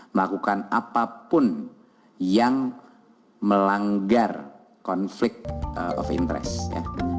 melakukan apapun yang melanggar konflik of interest ya